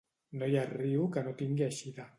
No hi ha riu que no tingui eixida.